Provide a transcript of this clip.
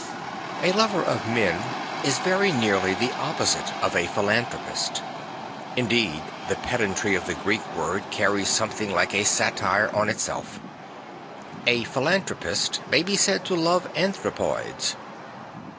A lover of men is very nearly the opposite of a philanthropist; indeed the pedantry of the Greek word carries something like a satire on itself. A philanthropist may be said to love anthropoids.